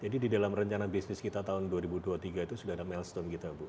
jadi di dalam rencana bisnis kita tahun dua ribu dua puluh tiga itu sudah ada milestone kita